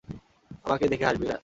আমাকে দেখে হাসবি না।